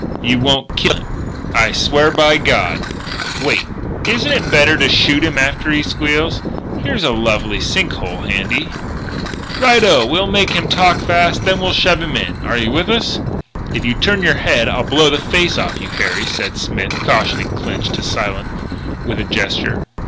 "You won't kill him?" "I swear by God " "Wait! Isn't it better to shoot him after he squeals? Here's a lovely sink hole handy." "Right o! We'll make him talk first and then shove him in. Are you with us?" "If you turn your head I'll blow the face off you, Harry," said Smith, cautioning Clinch to silence with a gesture.